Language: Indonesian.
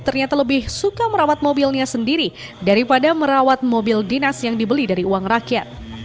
ternyata lebih suka merawat mobilnya sendiri daripada merawat mobil dinas yang dibeli dari uang rakyat